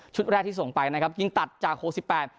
ชุดแรกที่ส่งไปนะครับยังตัดจากโค้ก๑๘